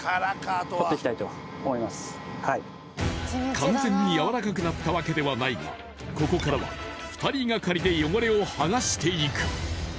完全に柔らかくなったわけではないが、ここからは２人がかりで汚れをはがしていく。